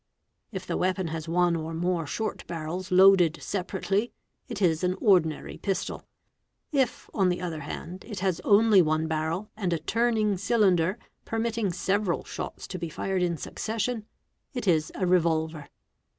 a If the weapon has one or more short barrels loaded separately, it is an ordinary pistol; if, on the other hand, it has only one barrel and a turning cylinder permitting several shots to be fired in succession, it is ¢ revolver.